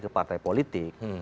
ke partai politiknya